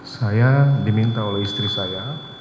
saya diminta oleh istri saya